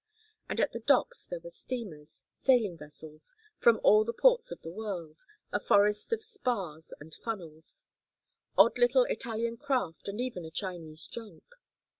And at the docks there were steamers, sailing vessels, from all the ports of the world, a forest of spars and funnels; odd little Italian craft and even a Chinese junk.